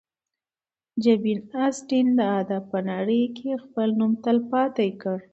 جین اسټن د ادب په نړۍ کې خپل نوم تلپاتې کړ.